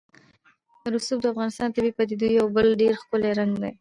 رسوب د افغانستان د طبیعي پدیدو یو بل ډېر ښکلی رنګ دی.